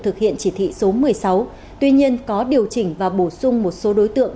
thực hiện chỉ thị số một mươi sáu tuy nhiên có điều chỉnh và bổ sung một số đối tượng